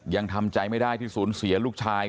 ยังทำใจไม่ได้ที่สูญเสียลูกชาย